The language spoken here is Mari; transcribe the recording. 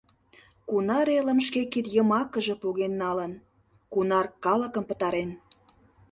Кунар элым шке кид йымакыже поген налын, кунар калыкым пытарен.